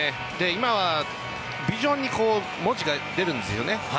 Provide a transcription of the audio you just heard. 今はビジョンに文字が出るんですよね。